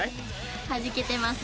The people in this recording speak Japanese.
はじけてます。